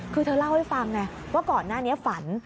คือเธอเล่าให้ฟังไงว่าก่อนหน้านี้ฝัน